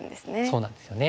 そうなんですよね。